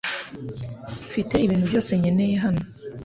Mfite ibintu byose nkeneye hano